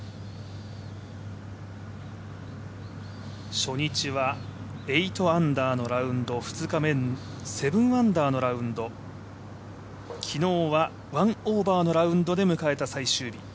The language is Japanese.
初日は８アンダーのラウンド、２日目７アンダーのラウンド、昨日は、１オーバーのラウンドで迎えた最終日。